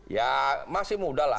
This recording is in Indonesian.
ya masih muda lah